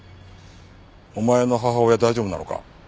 お前の母親大丈夫なのか？